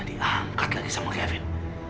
diangkat lagi sama gavin